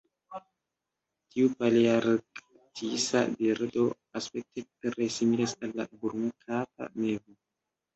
Tiu palearktisa birdo aspekte tre similas al la brunkapa mevo.